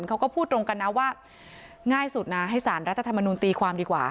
เขาก็พูดตรงกันนะว่าง่ายสุดนะให้สารรัฐธรรมนุนตีความดีกว่า